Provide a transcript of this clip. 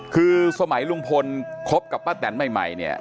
คือสมัยลุงพลคบกับป้าแตนใหม่เนี่ย